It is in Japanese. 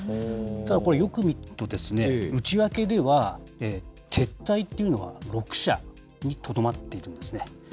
ただこれよく見ると、内訳では撤退というのが６社にとどまっているんですね。